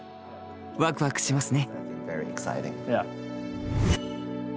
ワクワクしますね。